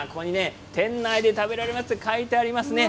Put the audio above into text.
店内で食べられると書いてあります。